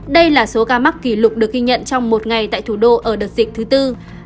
đây là số ca mắc kỷ lục được ghi nhận trong một ngày tại thủ đô ở đợt dịch thứ tư